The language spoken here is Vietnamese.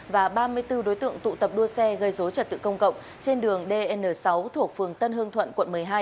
và ba mươi bốn đối tượng tụ tập đua xe gây dối trật tự công cộng trên đường dn sáu thuộc phường tân hương thuận quận một mươi hai